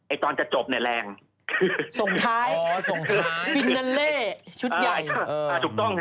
ไอ้ตอนจะจบเนี้ยแรงส่งท้ายอ๋อส่งท้ายชุดใหญ่เออถูกต้องฮะ